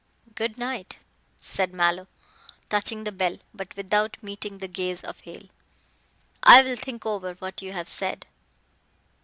"Good night," said Mallow, touching the bell, but without meeting the gaze of Hale, "I will think over what you have said."